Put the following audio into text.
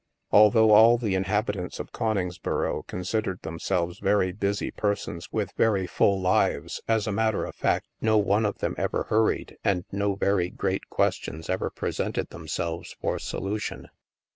Although all the inhabitants of Coningsboro con sidered themselves very busy persons with very full lives, as a matter of fact, no one of them ever hur ried, and no very great questions ever presented themselves for solution.